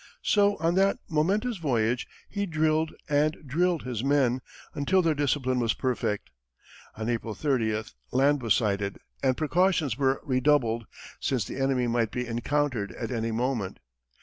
So, on that momentous voyage, he drilled and drilled his men, until their discipline was perfect. On April 30, land was sighted, and precautions were redoubled, since the enemy might be encountered at any moment.